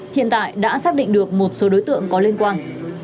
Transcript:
hiện tại đã xác định được một số đối tượng có liên quan